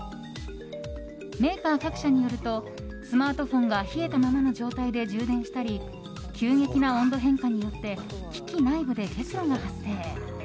メーカー各社によるとスマートフォンが冷えたままの状態で充電したり急激な温度変化によって機器内部で結露が発生。